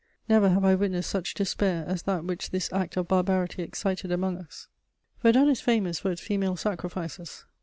Never have I witnessed such despair as that which this act of barbarity excited among us." Verdun is famous for its female sacrifices.